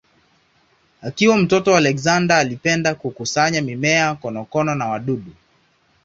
Akiwa mtoto Alexander alipenda kukusanya mimea, konokono na wadudu.